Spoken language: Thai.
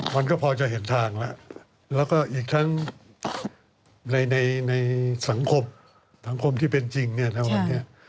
มันก็พอจะเห็นทางแล้วแล้วก็อีกทั้งในสังคมที่เป็นจริงเนี่ย